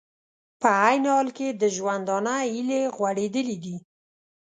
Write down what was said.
په عین حال کې د ژوندانه هیلې غوړېدلې دي